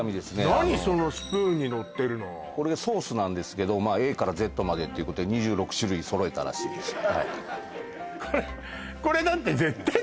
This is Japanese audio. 何そのスプーンにのってるのこれソースなんですけどＡからＺまでっていうことで２６種類揃えたらしいです